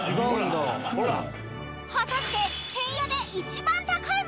［果たして］